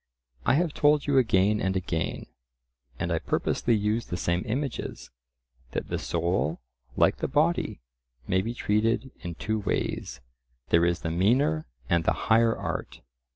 I have told you again and again (and I purposely use the same images) that the soul, like the body, may be treated in two ways—there is the meaner and the higher art.